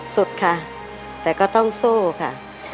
สุดค่ะแต่ก็ต้องสู้ค่ะ